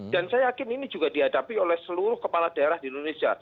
dan saya yakin ini juga dihadapi oleh seluruh kepala daerah di indonesia